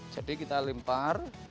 jadi kita lempar